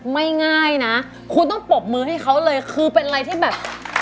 ง่ายนะคุณต้องปรบมือให้เขาเลยคือเป็นอะไรที่แบบ